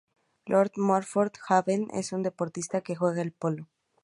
Lord Milford Haven en un deportista que juega al polo.